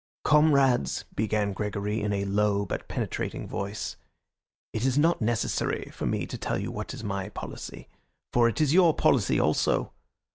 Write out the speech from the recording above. "Comrades," began Gregory, in a low but penetrating voice, "it is not necessary for me to tell you what is my policy, for it is your policy also.